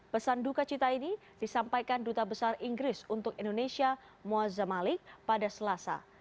pesan duka cita ini disampaikan duta besar inggris untuk indonesia muazza malik pada selasa